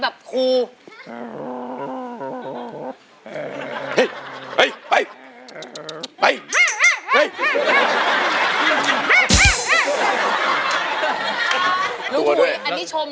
ครับตอนนี้แหละเป็นเสื้อโต๊ต